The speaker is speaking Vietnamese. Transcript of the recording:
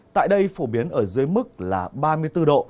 tại đây phổ biến ở dưới mức là ba mươi bốn độ